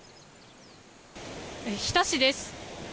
日田市です。